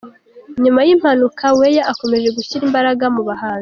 Nyuma y’impanuka, Weya akomeje gushyira imbaraga mu buhanzi.